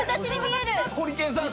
ホリケンさん